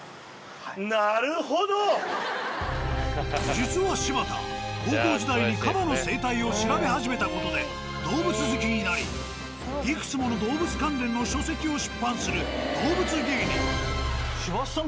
実は柴田高校時代にカバの生態を調べ始めた事で動物好きになりいくつもの動物関連の書籍を出版する動物芸人。